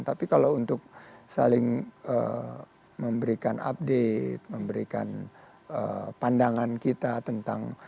tapi kalau untuk saling memberikan update memberikan pandangan kita tentang